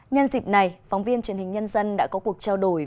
nhân dịp này phóng viên truyền hình nhân dân đã có cuộc trao đổi